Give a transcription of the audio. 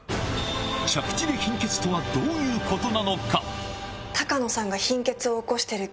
着地で貧血とはどういうことなのか？